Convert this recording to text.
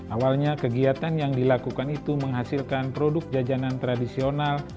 awalnya kegiatan yang dilakukan itu menghasilkan produk jajanan tradisional